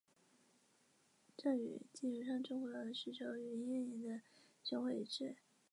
这与地球上的最古老的石头和月岩的结果一致。